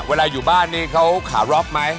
เวลาอยู่บ้านนี้เขาขาร็อกไหม